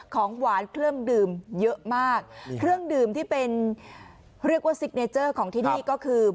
ของหวานเครื่องดื่มเยอะมากเครื่องดื่มที่เป็นเรียกว่าซิกเนเจอร์ของที่นี่ก็คือ